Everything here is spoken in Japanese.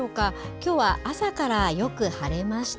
きょうは朝からよく晴れました。